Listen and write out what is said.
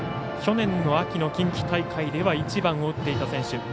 去年の秋の近畿大会では１番を打っていた選手。